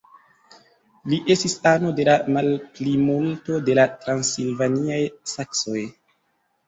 Li estis ano de la malplimulto de la transilvaniaj saksoj.